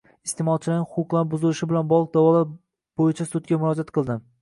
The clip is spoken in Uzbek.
Iste’molchilarning huquqlari buzilishi bilan bog‘liq da’volar bo‘yicha sudga murojaat qildim